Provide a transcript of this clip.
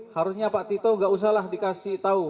harusnya pak tito gak usahlah dikasih tau